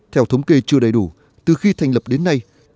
theo thống kê chưa đầy đủ từ khi thành lập đến nay